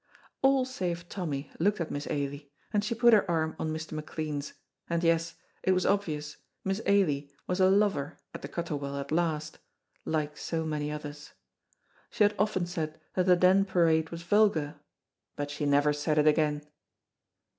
All save Tommy looked at Miss Ailie, and she put her arm on Mr. McLean's, and, yes, it was obvious, Miss Ailie was a lover at the Cuttle Well at last, like so many others. She had often said that the Den parade was vulgar, but she never said it again.